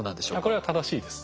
これは正しいです。